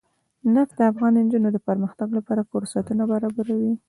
نفت د افغان نجونو د پرمختګ لپاره فرصتونه برابروي.